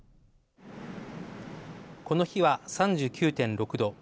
この日は３９．６度。